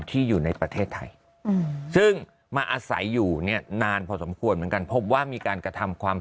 ที่อยู่ในประเทศไทยซึ่งมาอาศัยอยู่เนี่ยนานพอสมควรเหมือนกันพบว่ามีการกระทำความ